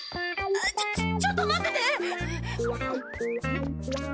ちょちょっと待ってて！